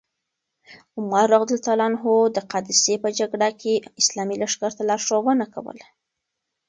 عمر رض د قادسیې په جګړه کې اسلامي لښکر ته لارښوونه کوله.